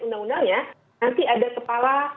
undang undangnya nanti ada kepala